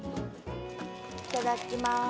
いただきます。